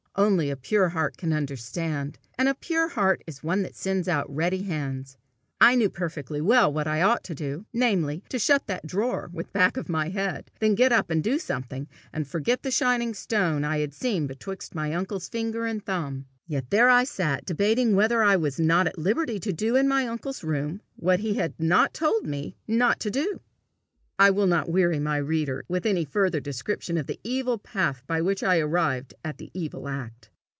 Only a pure heart can understand, and a pure heart is one that sends out ready hands. I knew perfectly well what I ought to do namely, to shut that drawer with the back of my head, then get up and do something, and forget the shining stone I had seen betwixt my uncle's finger and thumb; yet there I sat debating whether I was not at liberty to do in my uncle's room what he had not told me not to do. I will not weary my reader with any further description of the evil path by which I arrived at the evil act.